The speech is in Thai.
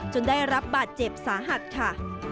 ได้รับบาดเจ็บสาหัสค่ะ